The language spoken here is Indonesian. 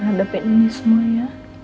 hadapi ini semua ya